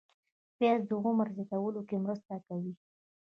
پیاز د عمر زیاتولو کې مرسته کوي